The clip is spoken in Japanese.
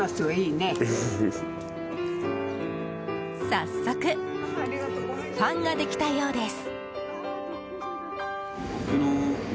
早速ファンができたようです。